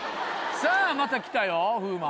さぁまた来たよ風磨。